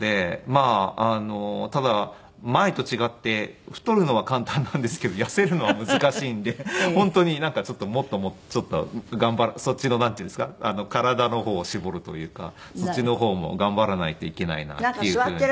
まあただ前と違って太るのは簡単なんですけど痩せるのは難しいんで本当になんかちょっともっとそっちのなんていうんですか体の方を絞るというかそっちの方も頑張らないといけないなっていうふうに。